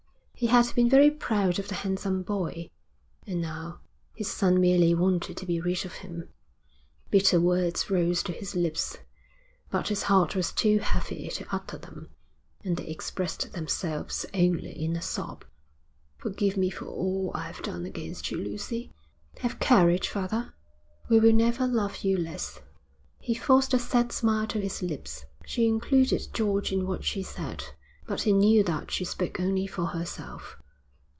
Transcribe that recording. He had been very proud of the handsome boy. And now his son merely wanted to be rid of him. Bitter words rose to his lips, but his heart was too heavy to utter them, and they expressed themselves only in a sob. 'Forgive me for all I've done against you, Lucy.' 'Have courage, father, we will never love you less.' He forced a sad smile to his lips. She included George in what she said, but he knew that she spoke only for herself.